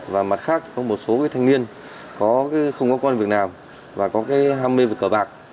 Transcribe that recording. và mặt khác có một số thanh niên không có quan việc nào và có ham mê về cờ bạc